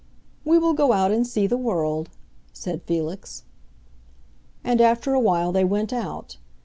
"We will go out and see the world," said Felix. And after a while they went out.